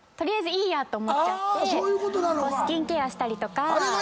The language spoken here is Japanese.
スキンケアしたりとか。